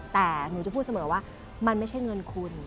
แต่หนูจะพูดเสมอว่ามันไม่ใช่เงินคุณ